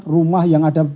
rumah yang ada